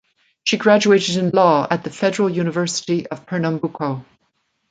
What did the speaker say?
She graduated in Law at the Federal University of Pernambuco.